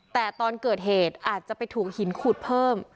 แต่ตอนเกิดเหตุอาจจะไปถูกหินขุดเพิ่ม